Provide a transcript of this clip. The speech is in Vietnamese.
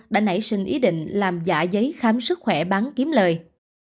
đã nảy sinh ý định làm giả giấy khám sức khỏe bán kiếm lời